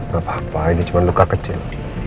gak apa apa ini cuma luka kecil